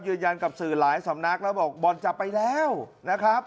ยืนยันกับสื่อหลายสำนักแล้วบอกบอลจับไปแล้วนะครับ